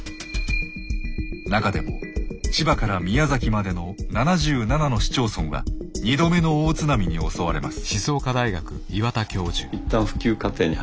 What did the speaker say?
中でも千葉から宮崎までの７７の市町村は２度目の大津波に襲われます。